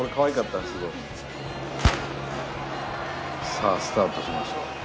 さあスタートしました。